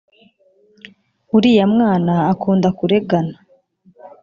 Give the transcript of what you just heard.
Uriya mwana akunda kuregana